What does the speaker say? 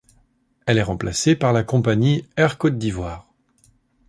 Elle est remplacée par la compagnie Air Côte d'Ivoire.